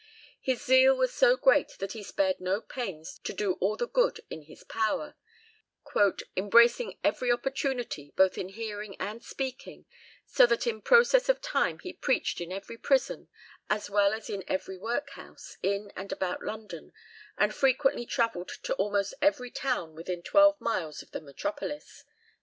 His zeal was so great that he spared no pains to do all the good in his power, "embracing every opportunity, both in hearing and speaking, so that in process of time he preached in every prison, as well as in every workhouse, in and about London, and frequently travelled to almost every town within twelve miles of the metropolis."